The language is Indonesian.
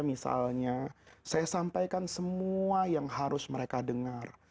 misalnya saya sampaikan semua yang harus mereka dengar